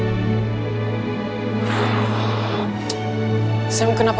kalian semua udah siap kan